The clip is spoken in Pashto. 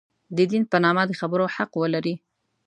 د دین په نامه د خبرو حق ولري.